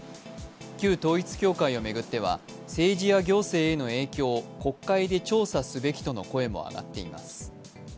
旧統一教会を巡っては政治や行政への影響を国会で調査すべきとの声も上がっています。